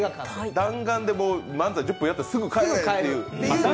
弾丸で漫才１０分やってすぐ帰るって言う。